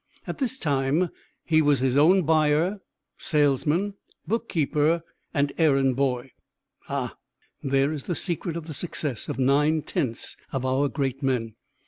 At this time he was his own buyer, salesman, book keeper and errand boy. Ah! there is the secret of the success of nine tenths of our great men.